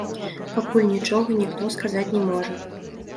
Пакуль нічога ніхто сказаць не можа.